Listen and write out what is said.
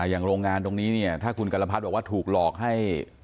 อย่างโรงงานตรงนี้ถ้าคุณการพรรดิบอกว่าถูกหลอกให้